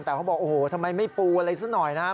แต่เขาบอกโอ้โหทำไมไม่ปูอะไรสักหน่อยนะครับ